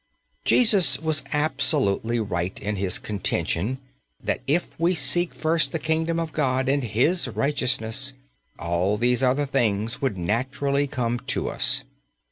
Jesus was absolutely right in His contention that if we would seek first the Kingdom of God and His righteousness all these other things would naturally come to us.